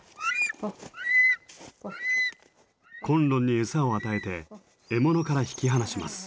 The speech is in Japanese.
崑崙に餌を与えて獲物から引き離します。